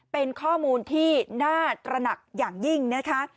เป็นข้อมูลที่น่าตระหนักอย่างยิ่งนะคะ